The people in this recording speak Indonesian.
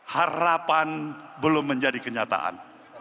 harapan belum menjadi kenyataan